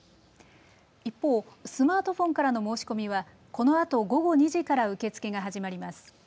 一方スマートフォンからの申し込みはこのあと午後２時から受け付けが始まります